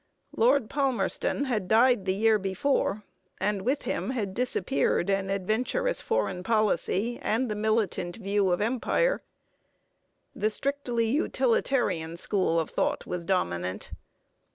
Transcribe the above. Lord Palmerston had died the year before, and with him had disappeared an adventurous foreign policy and the militant view of empire. The strictly utilitarian school of thought was dominant.